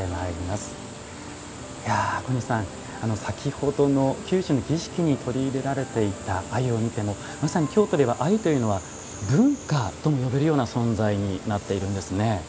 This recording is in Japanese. いや小西さん先ほどの宮中の儀式に取り入れられていた鮎を見てもまさに京都では鮎というのは文化とも呼べるような存在になっているんですね。